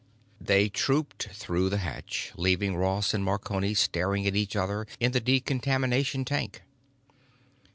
They trooped through the hatch, leaving Ross and Marconi staring at each other in the decontamination tank.